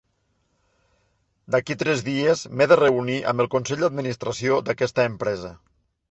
D'aquí tres dies m'he de reunir amb el Consell d'Administració d'aquesta empresa.